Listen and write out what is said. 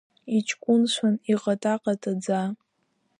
Иҷкәынцәан, иҟата-ҟатаӡа…